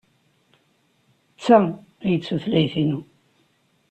D ta ay d tutlayt-inu.